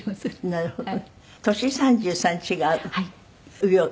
なるほど。